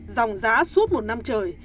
dòng giá suốt một năm trời